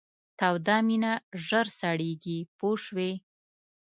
توده مینه ژر سړیږي پوه شوې!.